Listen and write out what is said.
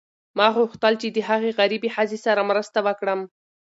ما غوښتل چې د هغې غریبې ښځې سره مرسته وکړم.